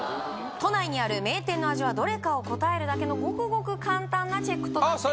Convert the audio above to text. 都内にある名店の味はどれかを答えるだけのごくごく簡単なチェックとなっています